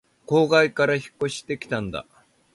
郊外から引っ越してきたんだ